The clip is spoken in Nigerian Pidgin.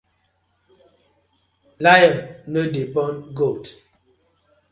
Lion no dey born goat.